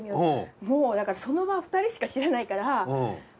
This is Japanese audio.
もうだからその場は２人しか知らないから。